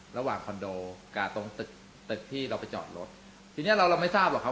คอนโดกับตรงตึกตึกที่เราไปจอดรถทีเนี้ยเราเราไม่ทราบหรอกครับ